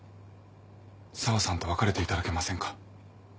紗和さんと別れていただけませんか？